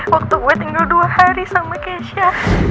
waktu gue tinggal dua hari sama keisha